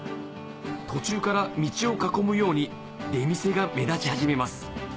途中から道を囲むように出店が目立ち始めます